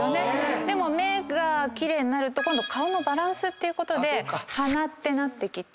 でも目が奇麗になると今度顔のバランスっていうことで鼻ってなってきて。